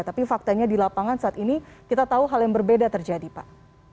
tapi faktanya di lapangan saat ini kita tahu hal yang berbeda terjadi pak